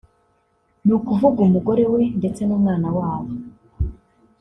ni ukuvuga umugore we ndetse n’umwana wabo